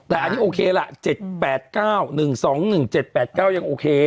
แต่อันนี้โอเคล่ะ๗๘๙๑๒๑๗๘๙ยังโอเค